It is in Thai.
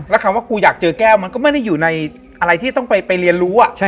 แล้วคำว่ากูอยากเจอแก้วมันก็ไม่ได้อยู่ในอะไรที่ต้องไปเรียนรู้